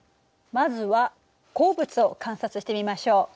まずは鉱物を観察してみましょう。